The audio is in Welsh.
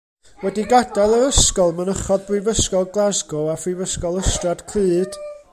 Wedi gadael yr ysgol mynychodd Brifysgol Glasgow a Phrifysgol Ystrad Clud.